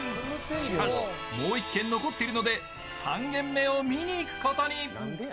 しかし、もう１軒残っているので３軒目を見に行くことに。